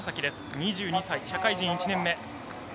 ２２歳、社会人１年目。